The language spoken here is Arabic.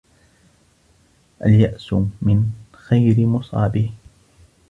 الْيَأْسُ مِنْ خَيْرِ مُصَابِهِ